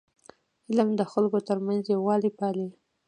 علم د خلکو ترمنځ یووالی پالي.